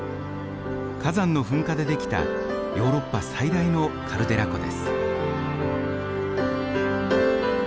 火山の噴火で出来たヨーロッパ最大のカルデラ湖です。